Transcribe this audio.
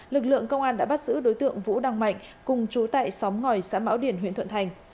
lực lượng công an đã bắt giữ đối tượng vũ đăng mạnh cùng chú tại xóm ngòi xã mão điền huyện thuận thành